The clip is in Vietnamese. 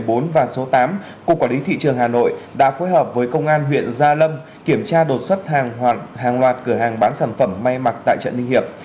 số một mươi bốn và số tám cục quản lý thị trường hà nội đã phối hợp với công an huyện gia lâm kiểm tra đột xuất hàng loạt cửa hàng bán sản phẩm may mặc tại trận ninh hiệp